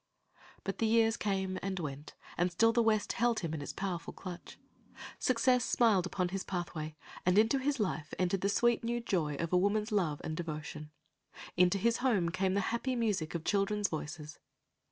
But the years came and went, and still the West held him in its powerful clutch. Success smiled upon his pathway, and into his life entered the sweet, new joy of a woman's love and devotion, and into his home came the happy music of children's voices.